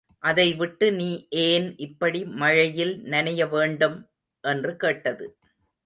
அதைவிட்டு நீ ஏன் இப்படி மழையில் நனையவேண்டும்? என்று கேட்டது.